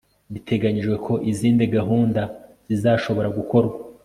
biteganyijwe ko izindi gahunda zizashobora gukorwa